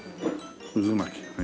渦巻きのね